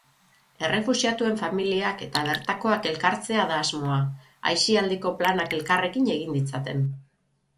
Errefuxiatuen familiak eta bertakoak elkartzea da asmoa, aisialdiko planak elkarrekin egin ditzaten.